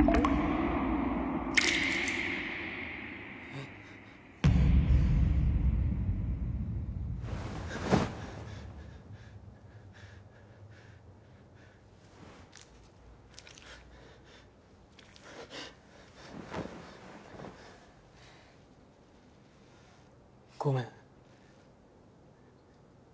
えっ？ごめん。